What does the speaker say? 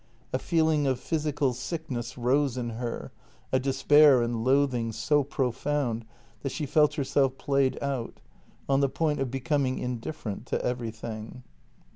A feeling of physical sickness rose in her, a despair and loathing so profound that she felt herself played out — on the point of becoming indifferent to everything.